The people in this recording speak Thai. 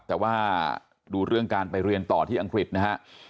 แต่ว่าดูเรื่องการไปเรียนต่อที่อังกฤษนะฮะ